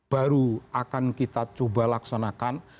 baru akan kita coba laksanakan